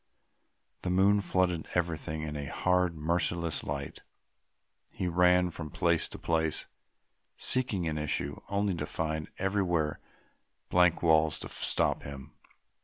The moon flooded everything in a hard, merciless light; he ran from place to place seeking an issue, only to find everywhere blank walls to stop him.